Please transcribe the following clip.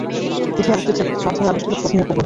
এটিই আলোকচিত্রের মাধ্যমে আবিষ্কৃত প্রথম উপগ্রহ।